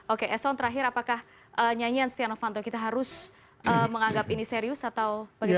oke eson terakhir apakah nyanyian setia novanto kita harus menganggap ini serius atau bagaimana